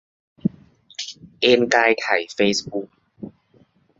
เอนกายไถเฟซบุ๊ก